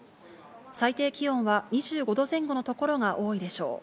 最低気温は２５度前後のところが多いでしょう。